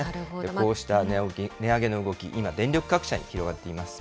こうした値上げの動き、今、電力各社に広がっています。